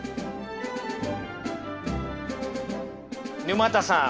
沼田さん